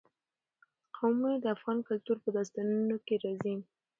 قومونه د افغان کلتور په داستانونو کې راځي.